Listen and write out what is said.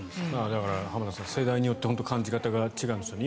だから、浜田さん世代によって感じ方が違うんですよね。